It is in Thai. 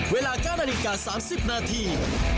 เวลา๙นาฬิกา๓๐นาที